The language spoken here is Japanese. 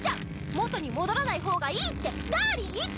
元に戻らない方がいいってダーリン言ったっちゃ！